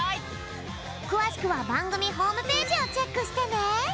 くわしくはばんぐみホームページをチェックしてね！